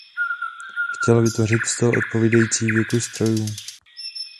Chtěl vytvořit styl odpovídající věku strojů.